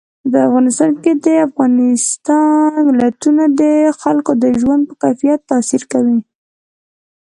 په افغانستان کې د افغانستان ولايتونه د خلکو د ژوند په کیفیت تاثیر کوي.